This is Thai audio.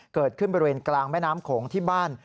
เกิดขึ้นบริเวณกลางแม่น้ำโขงที่บ้าน